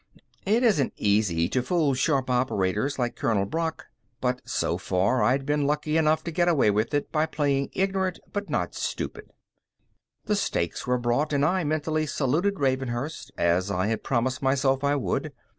It isn't easy to fool sharp operators like Colonel Brock, but, so far, I'd been lucky enough to get away with it by playing ignorant but not stupid. The steaks were brought, and I mentally saluted Ravenhurst, as I had promised myself I would.